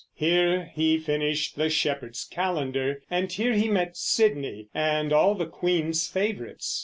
Here he finished the Shepherd's Calendar, and here he met Sidney and all the queen's favorites.